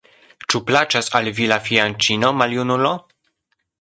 Ĉu plaĉas al vi la fianĉino, maljunulo?